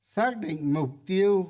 xác định mục tiêu